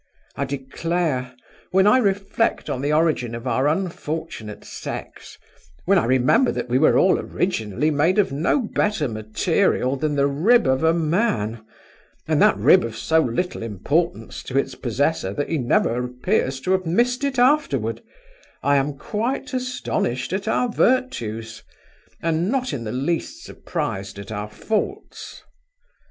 I declare, when I reflect on the origin of our unfortunate sex when I remember that we were all originally made of no better material than the rib of a man (and that rib of so little importance to its possessor that he never appears to have missed it afterward), I am quite astonished at our virtues, and not in the least surprised at our faults.